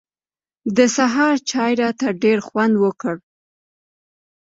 د سهار چای راته ډېر خوند وکړ.